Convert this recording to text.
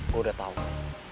gue udah tau